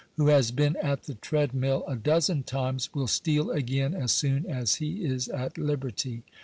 851 who has been at the treadmill a dozen times, will steal again as soon as he is at liberty